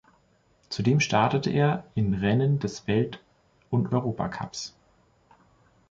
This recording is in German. Zudem startete er in Rennen des Welt- und Europacups.